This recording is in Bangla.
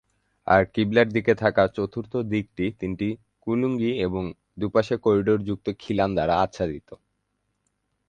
আর "কিবলা"র দিকে থাকা চতুর্থ দিকটি তিনটি কুলুঙ্গি এবং দুপাশে করিডোর যুক্ত খিলান দ্বারা আচ্ছাদিত।